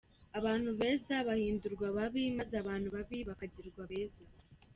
Abantu beza bahindurwa babi maze abantu babi bakagirwa beza.